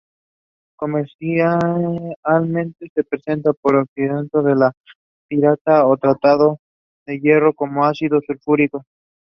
One year later he moved to the youth ranks of Zorya Luhansk.